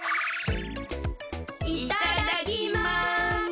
いただきます！